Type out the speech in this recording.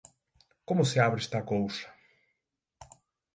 Como se abre esta cousa?